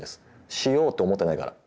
しようと思ってないから。